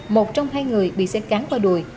một trong hai người bị xe cán qua đùi